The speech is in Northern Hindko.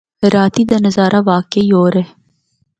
راتیں دا نظارہ واقعی ہور اے۔